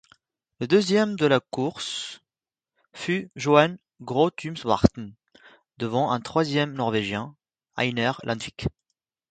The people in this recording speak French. Le deuxième de la course fut Johan Grøttumsbråten, devant un troisième norvégien, Einar Landvik.